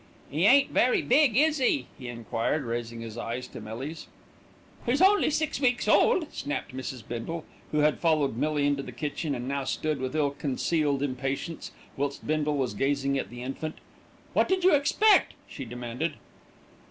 "'E ain't very big, is 'e?" he enquired, raising his eyes to Millie's. "He's only six weeks old," snapped Mrs. Bindle, who had followed Millie into the kitchen and now stood, with ill concealed impatience, whilst Bindle was gazing at the infant. "What did you expect?" she demanded.